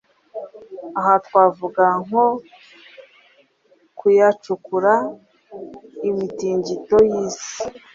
Aha twavuga nko kuyacukura, imitingito y’isi